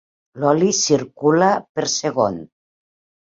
L'oli circula per segon.